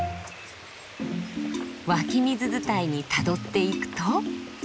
湧き水伝いにたどっていくと。